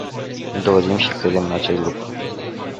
Dorim și credem în acest lucru.